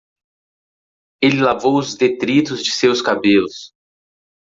Ele lavou os detritos de seus cabelos.